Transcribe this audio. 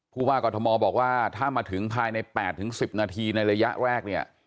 ผู้ว่ากรทมบอกว่าถ้ามาถึงภายใน๘๑๐นาทีในระยะแรกเนี่ย